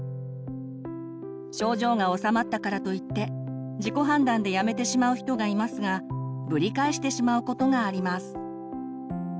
症状がおさまったからといって自己判断でやめてしまう人がいますがぶり返してしまうことがあります。